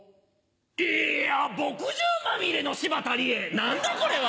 いや墨汁まみれの柴田理恵何だこれは！